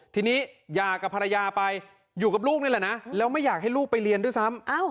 ทีนี้หย่ากับภรรยาไปอยู่กับลูกนี่แหละนะแล้วไม่อยากให้ลูกไปเรียนด้วยซ้ำ